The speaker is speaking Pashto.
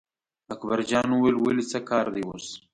اکبرجان وویل ولې څه کار دی اوس.